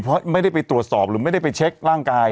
เพราะไม่ได้ไปตรวจสอบหรือไม่ได้ไปเช็คร่างกาย